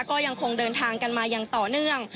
ก็ยังคงเดินทางกันมาอย่างต่อเนื่อง